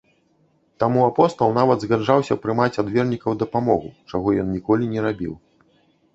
Таму апостал нават згаджаўся прымаць ад вернікаў дапамогу, чаго ён ніколі не рабіў.